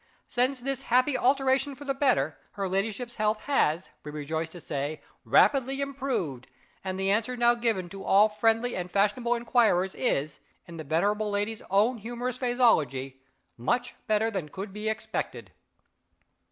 Since this happy alteration for the better, her ladyship's health has, we rejoice to say, rapidly improved; and the answer now given to all friendly and fashionable inquirers is, in the venerable lady's own humorous phraseology, 'Much better than could be expected.